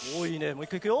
もういっかいいくよ。